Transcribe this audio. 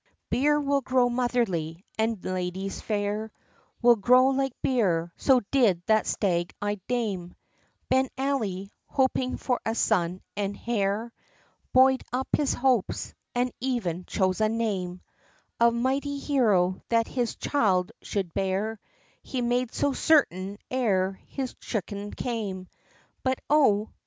VII. Beer will grow mothery, and ladies fair Will grow like beer; so did that stag eyed dame: Ben Ali, hoping for a son and heir, Boy'd up his hopes, and even chose a name Of mighty hero that his child should bear; He made so certain ere his chicken came: But oh!